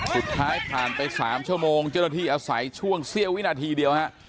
สุดท้ายผ่านไป๓ชั่วโมงเจ้าหน้าที่อาศัยช่วงเสี้ยววินาทีเดียวฮะ